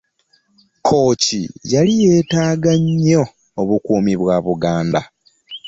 Kkooki yali yeetaaga nnyo obukuumi bwa Buganda.